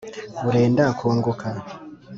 urenda kwunguka.